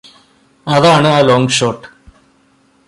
അതാണ് ആ long shot